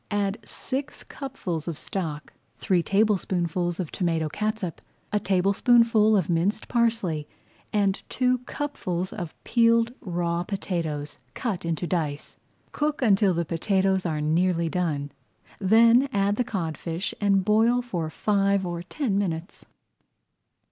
Add six cupfuls of stock, three tablespoonfuls of tomato catsup, a tablespoonful of minced parsley, and two cupfuls of peeled raw potatoes cut into dice. Cook until the potatoes are nearly done, then add the codfish and boil for five or ten minutes.